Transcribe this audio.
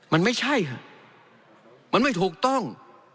มันไม่ใช่ค่ะมันไม่ถูกต้อง